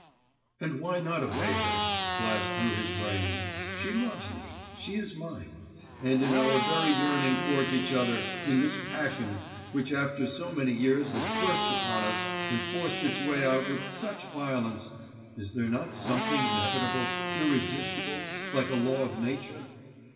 'And why not obey her?' flashed through his brain. 'She loves me, she is mine, and in our very yearning towards each other, in this passion, which after so many years has burst upon us, and forced its way out with such violence, is there not something inevitable, irresistible, like a law of nature?